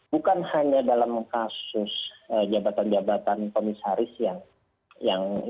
bukan hanya dalam kasus jabatan jabatan komisaris bukan hanya dalam kasus jabatan jabatan komisaris